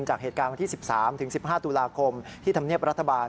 จากเหตุการณ์วันที่๑๓๑๕ตุลาคมที่ธรรมเนียบรัฐบาล